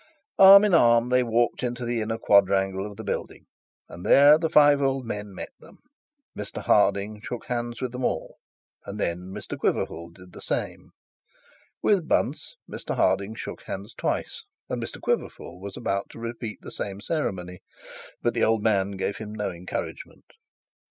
Arm in arm they walked into the inner quadrangle of the building, and there the five old men met them. Mr Harding shook hands with them all, and then Mr Quiverful did the same. With Bunce Mr Harding shook hands twice, and Mr Quiverful was about to repeat the ceremony but the old man gave him no encouragement.